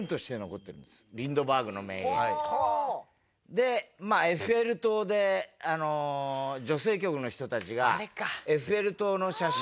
でまあエッフェル塔で女性局の人たちがエッフェル塔の写真を。